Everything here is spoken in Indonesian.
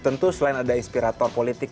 tentu selain ada inspirator politik